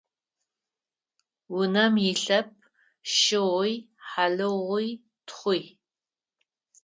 Унэм илъэп щыгъуи, хьалыгъуи, тхъуи.